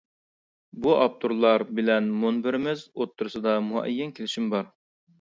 بۇ ئاپتورلار بىلەن مۇنبىرىمىز ئوتتۇرىسىدا مۇئەييەن كېلىشىم بار.